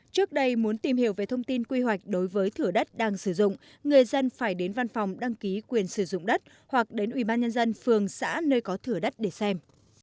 trước đây muốn tìm hiểu về thông tin quy hoạch đối với thừa đất đang sử dụng người dân phải đến văn phòng đăng ký quyền sử dụng đất hoặc đến ubnd phường xã nơi có thừa đất để xem